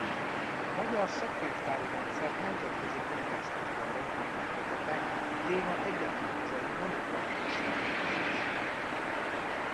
A magyar szakkönyvtári rendszert nemzetközi kontextusban bemutató kötete a téma egyetlen hazai monografikus feldolgozása.